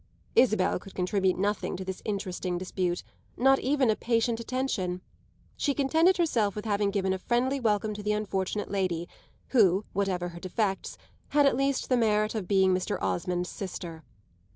Isabel could contribute nothing to this interesting dispute, not even a patient attention; she contented herself with having given a friendly welcome to the unfortunate lady, who, whatever her defects, had at least the merit of being Mr. Osmond's sister.